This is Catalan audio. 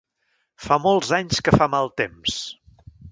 Fa molts anys que fa mal temps.